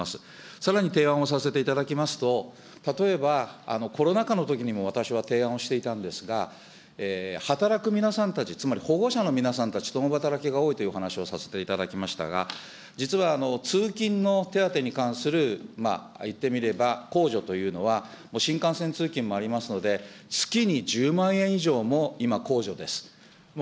さらに提案をさせていただきますと、例えばコロナ禍のときにも私は提案をしていたんですが、働く皆さんたち、つまり保護者の皆さんたち、共働きが多いというお話をさせていただきましたが、実は通勤の手当に関する、言ってみればこうじょというのは、もう新幹線通勤もありますので、月に１０万円以上も今、こうじょです。